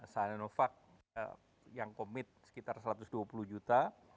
sanovac yang komit sekitar satu ratus dua puluh juta